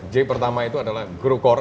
g pertama itu adalah grow core